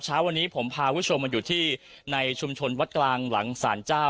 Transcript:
เช้าวันนี้ผมพาคุณผู้ชมมาอยู่ที่ในชุมชนวัดกลางหลังศาลเจ้า